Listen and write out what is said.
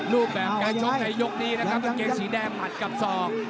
รูปแบบการชกในยกนี้นะครับกางเกงสีแดงหัดกับศอก